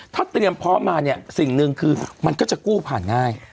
ถ้าเตรียมพร้อมมาเนี่ยสิ่งหนึ่งคือมันก็จะกู้ผ่านง่าย